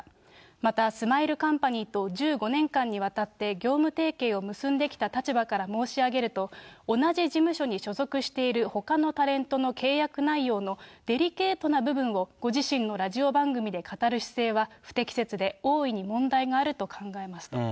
またスマイルカンパニーと１５年間にわたって業務提携を結んできた立場から申し上げると、同じ事務所に所属しているほかのタレントの契約内容のデリケートな部分を、ご自身のラジオ番組で語る姿勢は、不適切で大いに問題があると考えますと。